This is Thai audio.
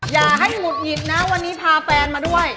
อย่าให้หุดหงิดนะวันนี้พาแฟนมาด้วย